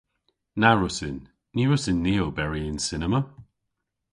Na wrussyn. Ny wrussyn ni oberi yn cinema.